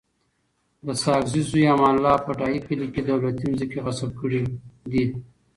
د ساګزی زوی امان الله په ډایی کلی کي دولتي مځکي غصب کړي دي